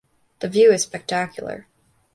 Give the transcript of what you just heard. The view is spectacular.